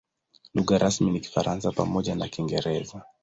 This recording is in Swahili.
Lugha rasmi ni Kifaransa pamoja na Kiingereza.